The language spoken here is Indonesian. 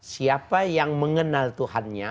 siapa yang mengenal tuhannya